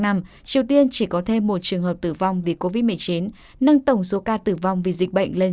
năm triều tiên chỉ có thêm một trường hợp tử vong vì covid một mươi chín nâng tổng số ca tử vong vì dịch bệnh lên sáu